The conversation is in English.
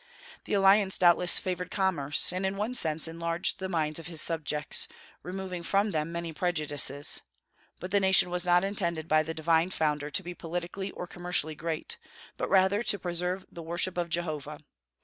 The alliance doubtless favored commerce, and in one sense enlarged the minds of his subjects, removing from them many prejudices; but the nation was not intended by the divine founder to be politically or commercially great, but rather to preserve the worship of Jehovah.